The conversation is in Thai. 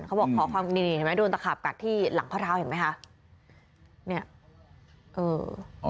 เขาบอกขอความดีโดนตะขาบกัดที่หลังข้อเท้าเห็นไหมค่ะ